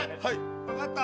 分かった。